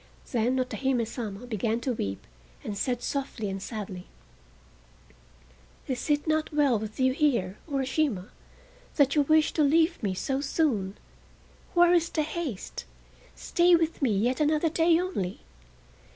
Then Otohime Sama began to weep, and said softly and sadly: "Is it not well with you here, Urashima, that you wish to leave me so soon? Where is the haste? Stay with me yet another day only!"